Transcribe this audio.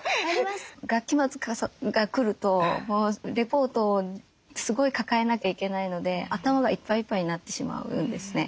学期末が来るとレポートをすごい抱えなきゃいけないので頭がいっぱいいっぱいになってしまうんですね。